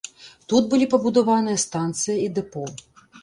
Тут былі пабудаваныя станцыя і дэпо.